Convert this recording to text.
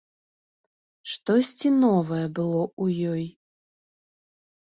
Штосьці новае было ў ёй.